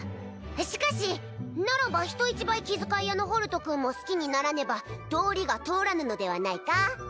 しかしならば人一倍気遣い屋のホルト君も好きにならねば道理が通らぬのではないか？